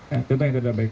ya tentu yang tidak baik